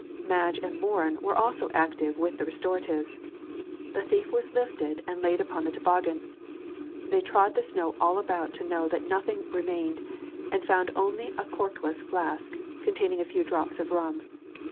Madge and Morin were also active with the restoratives. The thief was lifted and laid upon the toboggan. They trod the snow all about to know that nothing remained, and found only a corkless flask containing a few drops of rum.